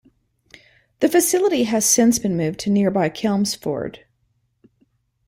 The facility has since been moved to nearby Chelmsford.